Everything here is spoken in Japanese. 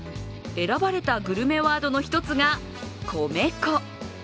選ばれたグルメワードの１つが米粉。